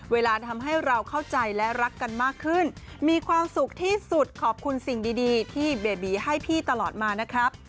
เวลาทำให้เราเข้าใจและรักกันมากขึ้นมีความสุขที่สุดขอบคุณสิ่งดีที่เบบีให้พี่ตลอดมานะครับ